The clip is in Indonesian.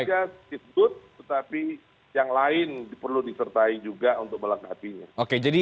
satgas itu bagus tetapi yang lain perlu disertai juga untuk melakukannya